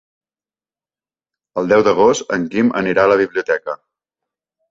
El deu d'agost en Quim anirà a la biblioteca.